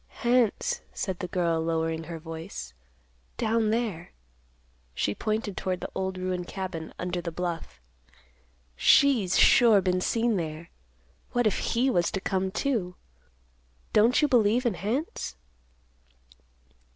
"Hants," said the girl, lowering her voice; "down there." She pointed toward the old ruined cabin under the bluff. "She's sure been seen there. What if he was to come, too? Don't you believe in hants?"